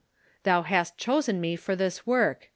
Thou hast chosen me for this work.